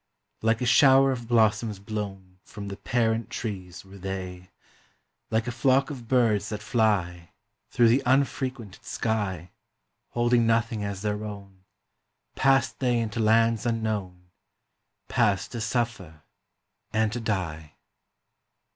Like a shower of blossoms blown From the parent trees were they ; Like a flock of birds that fly 623 ' PALESTINE Through the unfrequented sky, Holding nothing as their own, Passed they into lands unknown, Passed to suffer and to die.